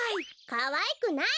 かわいくない！